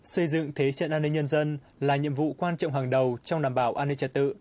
xây dựng thế trận an ninh nhân dân là nhiệm vụ quan trọng hàng đầu trong đảm bảo an ninh trật tự